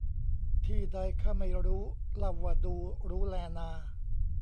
ที่ใดข้าไม่รู้ เล่าว่าดูรู้แลนา